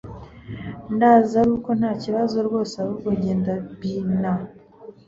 ndazi aruko ntakibazo rwose ahubwo jye ndabina